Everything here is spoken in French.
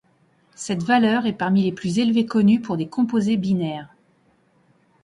Cette valeur est parmi les plus élevées connues pour des composés binaires.